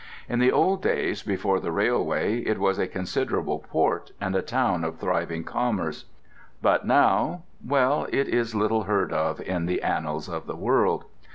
In the old days before the railway it was a considerable port and a town of thriving commerce. But now—well, it is little heard of in the annals of the world.